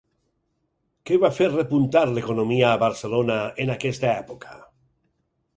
Què va fer repuntar l'economia a Barcelona en aquesta època?